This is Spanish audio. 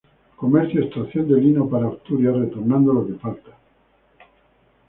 Comercio: extracción de lino para Asturias, retornando lo que falta.